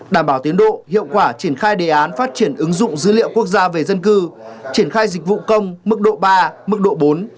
đảm bảo tiến độ hiệu quả triển khai đề án phát triển ứng dụng dữ liệu quốc gia về dân cư triển khai dịch vụ công mức độ ba mức độ bốn